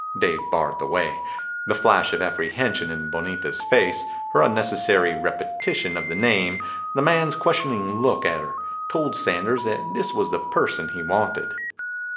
Dave barred the way. The flash of apprehension in Bonita's face, her unnecessary repetition of the name, the man's questioning look at her, told Sanders that this was the person he wanted.